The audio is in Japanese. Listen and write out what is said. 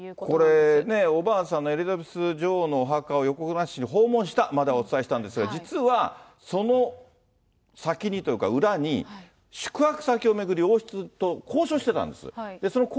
これね、おばあさんのエリザベス女王のお墓を予告なしに訪問したまではお伝えしたんですが、実はその先にというか、裏に宿泊先を巡り、王室と交渉してたんです。